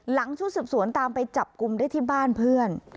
ชุดสืบสวนตามไปจับกลุ่มได้ที่บ้านเพื่อน